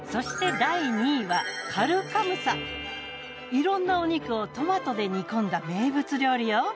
いろんなお肉をトマトで煮込んだ名物料理よ！